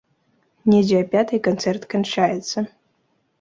Недзе а пятай канцэрт канчаецца.